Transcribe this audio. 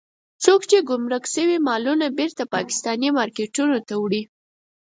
څوک يې ګمرک شوي مالونه بېرته پاکستاني مارکېټونو ته وړي.